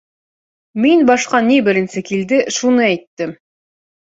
Мин башҡа ни беренсе килде, шуны әйттем.